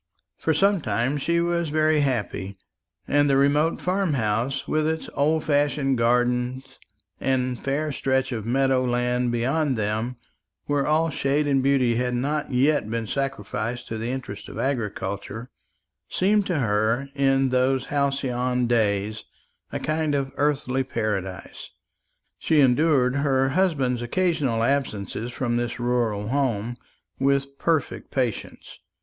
For some time she was very happy; and the remote farm house, with its old fashioned gardens and fair stretch of meadow land beyond them, where all shade and beauty had not yet been sacrificed to the interests of agriculture, seemed to her in those halcyon days a kind of earthly paradise. She endured her husband's occasional absence from this rural home with perfect patience.